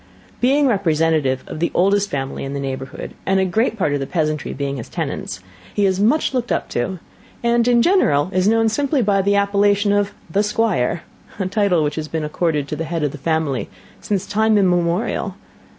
Being representative of the oldest family in the neighbourhood, and a great part of the peasantry being his tenants, he is much looked up to, and, in general, is known simply by the appellation of 'The Squire;' a title which has been accorded to the head of the family since time immemorial.